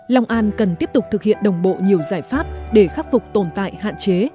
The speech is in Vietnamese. long an cần tiếp tục thực hiện đồng bộ nhiều giải pháp để khắc phục tồn tại hạn chế